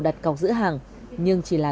đặt cọc giữ hàng nhưng chỉ là